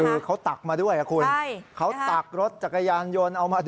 คือเขาตักมาด้วยคุณเขาตักรถจักรยานยนต์เอามา